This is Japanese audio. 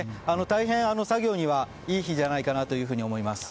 大変、作業にはいい日じゃないかと思います。